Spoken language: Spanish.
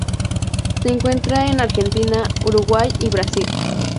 Se encuentra en Argentina, Uruguay y Brasil.